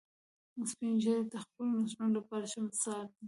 سپین ږیری د خپلو نسلونو لپاره ښه مثال دي